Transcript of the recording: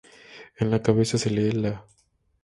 En la cabeza se lee "La".